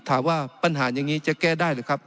ถามว่าปัญหาอย่างนี้จะแก้ได้หรือครับ